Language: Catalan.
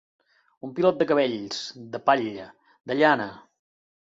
Un pilot de cabells, de palla, de llana.